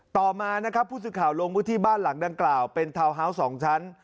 ต่อมานะครับผู้สื่อข่าวลงพื้นที่บ้านหลังดังกล่าวเป็นทาวน์ฮาวส์๒ชั้น